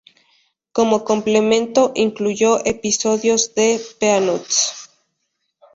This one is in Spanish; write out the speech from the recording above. Como complemento, incluyó episodios de "Peanuts".